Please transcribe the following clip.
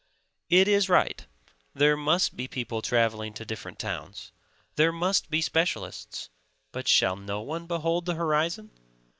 It is right; there must be people traveling to different towns; there must be specialists; but shall no one behold the horizon?